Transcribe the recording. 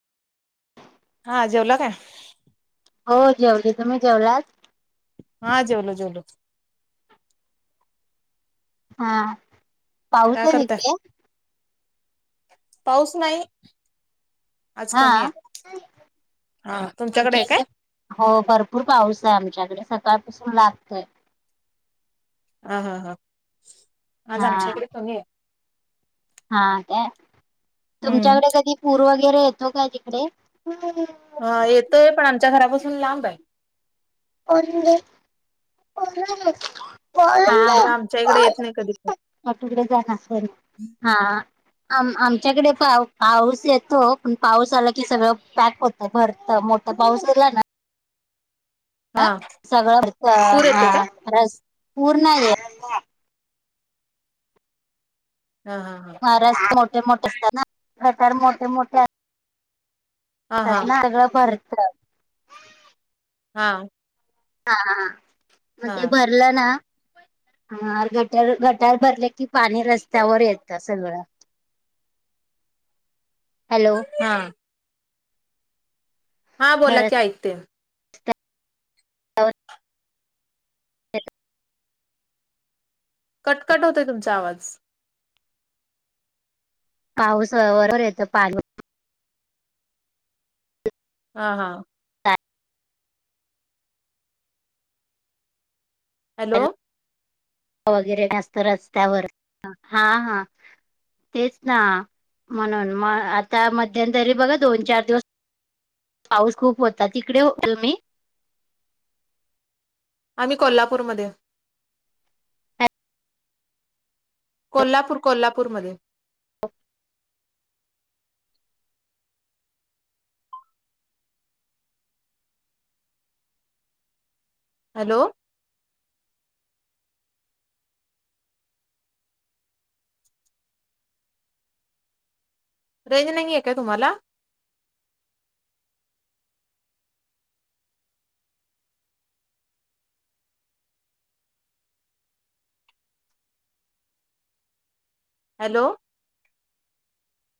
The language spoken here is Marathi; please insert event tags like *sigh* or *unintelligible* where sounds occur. हा जेवला काय? हो जेवले तुम्ही जेवलात? हा जेवलो जेवलो. हा पाऊस काय आहे करताय? तिकडे पाऊस नाही आज हा कमी आहे हा तुमच्याकडे आमच्या आहे इकडे काय? हो भरपूर पाऊस आहे आमच्याकडे सकाळपासून लागतोय. हा हा हा आज हा आमच्याकडे कमी आहे. हा ते हम्म तुमच्याकडे कधी पूर वगैरे येतो काय तिकडे? हा येतोय पण आमच्या घरापासून लांब आहे. *unintelligible* इकडं आमच्या इकडे येत नाही कधी पुर आज तिकडे जाणार घरी अस ना हा आम आमच्याकडे पा पाऊस येतो पण पाऊस आला की सगळं पॅक होत. भर मोठा पाऊस आला ना, हा सगळं पूर येतोय काय? *unintelligible* पूर्ण ये हा हा हा महाराष्ट्र मोठे, मोठे स्थान प्रकार मोठे मोठे हा हा *unintelligible* ना सगळ भरत हा हा हा मग हा ते भरलं ना, हार गट गटार भरले की पाणी रस्त्यावर येतं सगळं हॅलो! हा हां बोला खरंच की ऐकतेय कट कट होतय तुमचा आवाज पाऊस वर वर येतो पाणी हा हा हॅलो? वगैरे असत रस्त्यावर हा हा तेच ना म्हणून म आता मध्यंतरी बघा दोन, चार दिवस पाऊस खूप होता तिकडे होतो मी आम्ही कोल्हापूरमध्ये कोल्हापूर, कोल्हापूरमध्ये. हॅलो! रेंज नाही आहे काय तुम्हाला? हॅलो!